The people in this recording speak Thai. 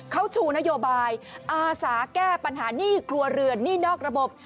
เขาชูนโยบายอาสาแก้ปัญหาหนี้ครัวเรือนหนี้นอกระบบ